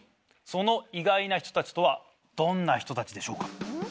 その意外な人たちとはどんな人たちでしょうか？